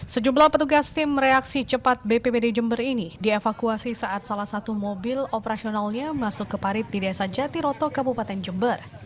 sejumlah petugas tim reaksi cepat bpbd jember ini dievakuasi saat salah satu mobil operasionalnya masuk ke parit di desa jatiroto kabupaten jember